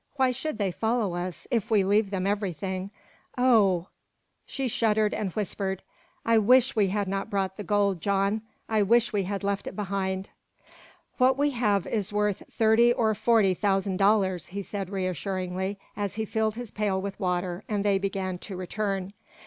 Why should they follow us if we leave them everything? Oh h h h!" She shuddered, and whispered: "I wish we had not brought the gold, John. I wish we had left it behind!" "What we have is worth thirty or forty thousand dollars," he said reassuringly, as he filled his pail with water and they began to return.